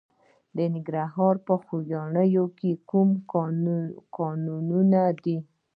د ننګرهار په خوږیاڼیو کې کوم کانونه دي؟